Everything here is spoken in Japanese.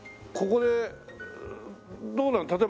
ここでどうなの？